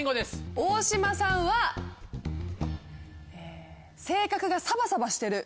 大島さんは性格がサバサバしてる。